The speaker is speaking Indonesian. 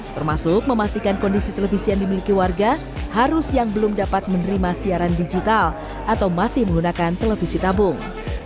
termasuk memastikan kondisi televisi yang dimiliki warga harus yang belum dapat menerima siaran digital atau masih menggunakan televisi tabung